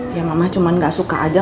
ya mama cuman gak suka aja